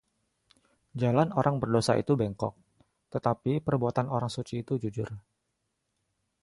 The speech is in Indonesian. Jalan orang berdosa itu bengkok, tetapi perbuatan orang suci itu jujur.